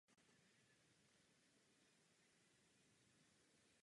Bitvy na Moravském poli se zúčastnil s početným doprovodem na straně Rudolfa Habsburského.